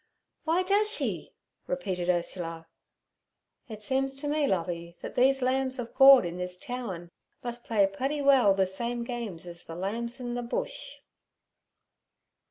'Why does she?' repeated Ursula. 'It seems t' me, Lovey, that these lambs ov Gord in this towen must play putty well ther same games as ther lambs in ther Bush.'